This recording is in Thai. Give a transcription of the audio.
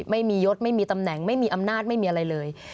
ไม่มียศไม่มีตำแหน่งไม่มีอำนาจไม่มีอะไรเลย